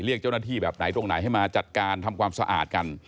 เรียกเจ้าหน้าที่แบบไหนตรงไหนให้มาจัดการทำความสะอาดกัน